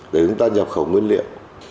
để chúng ta nhập khẩu nguyên liệu